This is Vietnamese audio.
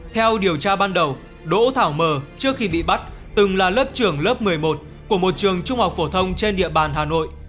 theo điều tra ban đầu đỗ thảo mờ trước khi bị bắt từng là lớp trưởng lớp một mươi một của một trường trung học phổ thông trên địa bàn hà nội